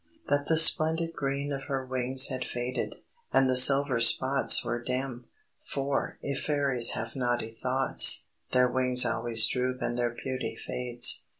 that the splendid green of her wings had faded, and the silver spots were dim. For, if Fairies have naughty thoughts, their wings always droop and their beauty fades.